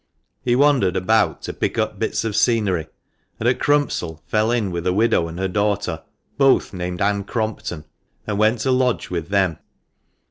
He wandered about to pick up bits of scenery, and at Crumpsall fell in with a widow and her daughter, both named Ann Crompton, and went to lodge with them.